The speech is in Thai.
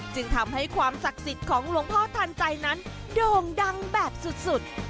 จึงทำให้ความศักดิ์สิทธิ์ของหลวงพ่อทันใจนั้นโด่งดังแบบสุด